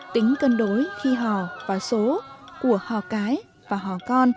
tính cân đối khi hò và số của hò cái và hò con là đơn giản